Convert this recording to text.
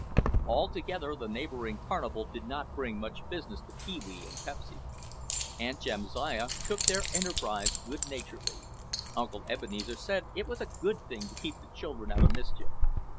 Altogether the neighboring carnival did not bring much business to Pee wee and Pepsy. Aunt Jamsiah took their enterprise good naturedly; Uncle Ebenezer said it was a good thing to keep the children out of mischief.